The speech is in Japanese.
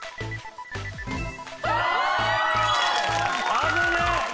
危ねえ！